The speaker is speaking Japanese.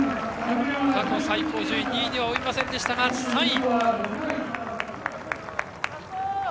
過去最高順位、２位には及びませんでしたが、３位。